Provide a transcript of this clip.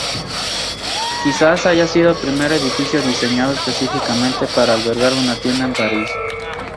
Quizás haya sido el primer edificio diseñado específicamente para albergar una tienda en París.